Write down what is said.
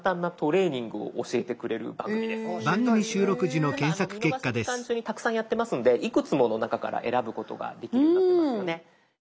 見逃し期間中にたくさんやってますんでいくつもの中から選ぶことができるようになってますよね。